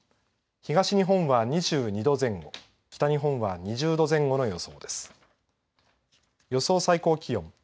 東日本は２２度前後北日本は２０度前後の予想です。